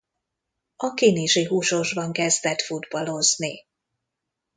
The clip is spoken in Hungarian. A Kinizsi Húsosban kezdett futballozni.